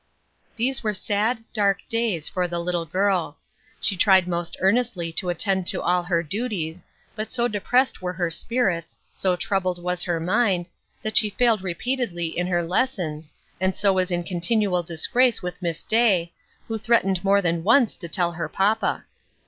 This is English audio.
These were sad, dark days for the little girl; she tried most earnestly to attend to all her duties, but so depressed were her spirits, so troubled was her mind, that she failed repeatedly in her lessons, and so was in continual disgrace with Miss Day, who threatened more than once to tell her papa.